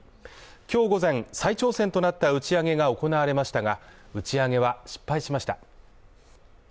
今日午前、再挑戦となった打ち上げが行われましたが、打ち上げは失敗しました。